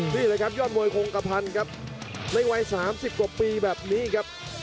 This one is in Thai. นี่แหละครับยอดมวยคงกระพันธ์ครับในวัย๓๐กว่าปีแบบนี้ครับ